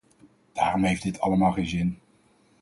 Daarom heeft dit allemaal geen zin.